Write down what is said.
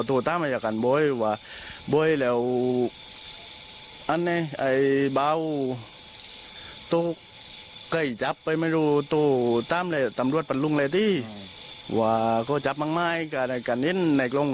อืมครับแต่ว่าเป็นใครเป็นช่วยว่ามันทุกท่านจะเป็นใครอีกครั้ง